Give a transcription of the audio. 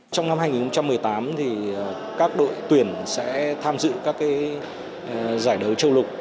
trong năm hai nghìn một mươi tám các đội tuyển sẽ tham dự các giải đấu châu lục